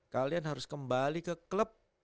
kalian harus kembali ke klub